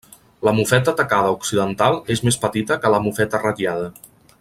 La mofeta tacada occidental és més petita que la mofeta ratllada.